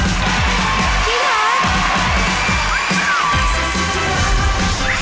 ดีครับ